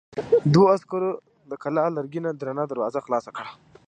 دوو عسکرو د کلا لرګينه درنه دروازه خلاصه کړه.